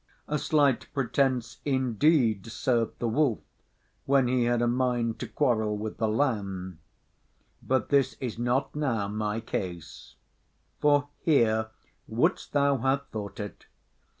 A slight pretence, indeed, served the wolf when he had a mind to quarrel with the lamb; but this is not now my case. For here (wouldst thou have thought it?)